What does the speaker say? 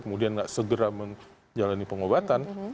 kemudian tidak segera menjalani pengobatan